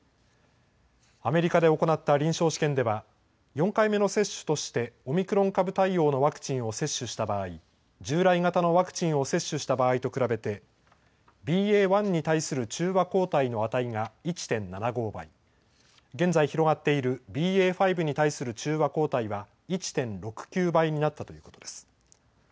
アメリカで行った臨床試験では４回目の接種としてオミクロン株対応のワクチンを接種した場合、従来型のワクチンを接種した場合と比べてＢＡ．１に対する中和抗体の値が１．７５倍、現在、広がっているＢＡ．５に対する中和抗体は１．６９倍になったということです。